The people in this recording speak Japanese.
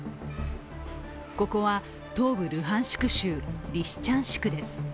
ここは、東部ルハンシク州リシチャンシクです。